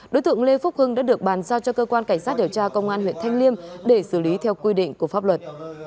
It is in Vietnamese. đối tượng lê phúc hưng đã được bàn giao cho cơ quan cảnh sát điều tra công an huyện thanh liêm để xử lý theo quy định của pháp luật